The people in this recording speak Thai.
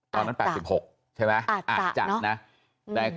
ตอนนั้น๘๖ใช่ไหมอาจจะนะ